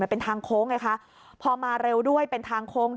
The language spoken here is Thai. เป็นทางโค้งไงคะพอมาเร็วด้วยเป็นทางโค้ง